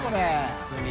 本当に。